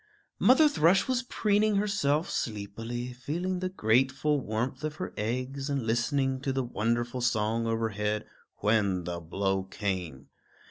Mother Thrush was preening herself sleepily, feeling the grateful warmth of her eggs and listening to the wonderful song overhead, when the blow came.